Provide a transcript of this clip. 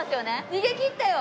逃げきったよ。